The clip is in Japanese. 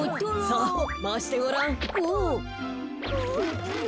さあまわしてごらん。